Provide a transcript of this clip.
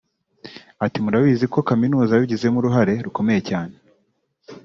Ati “ Murabizi ko Kaminuza yabigizemo uruhare rukomeye cyane